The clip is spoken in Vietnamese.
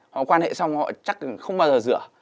họ quan hệ xong họ chắc không bao giờ rửa